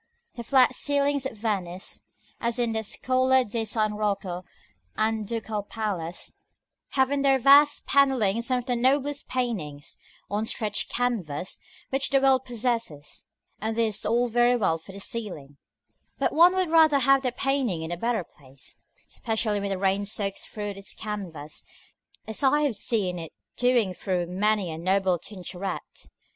The flat ceilings of Venice, as in the Scuola di San Rocco and Ducal Palace, have in their vast panellings some of the noblest paintings (on stretched canvas) which the world possesses: and this is all very well for the ceiling; but one would rather have the painting in a better place, especially when the rain soaks through its canvas, as I have seen it doing through many a noble Tintoret.